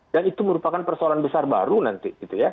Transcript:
dan itu merupakan persoalan besar baru nanti